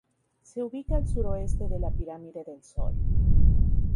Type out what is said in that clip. Se ubica al suroeste de la Pirámide del Sol.